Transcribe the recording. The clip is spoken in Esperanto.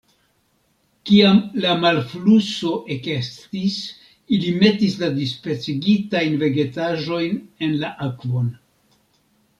Kiam la malfluso ekestis, ili metis la dispecigitajn vegetaĵojn en la akvon.